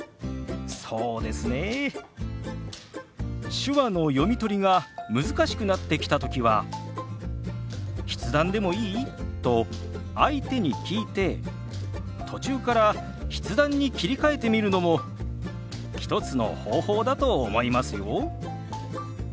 手話の読み取りが難しくなってきた時は「筆談でもいい？」と相手に聞いて途中から筆談に切り替えてみるのも一つの方法だと思いますよ。